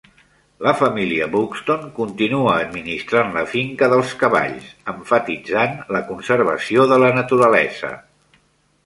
La família Buxton continua administrant la finca dels cavalls, emfatitzant la conservació de la naturalesa.